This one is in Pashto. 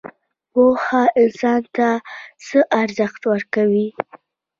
پوهه انسان ته څه ارزښت ورکوي؟